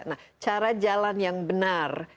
nah cara jalan yang benar